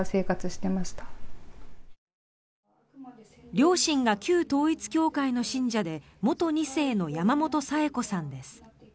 両親が旧統一教会の信者で元２世の山本サエコさんです。